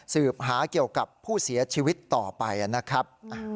สืบหาเกี่ยวกับผู้เสียชีวิตต่อไปนะครับ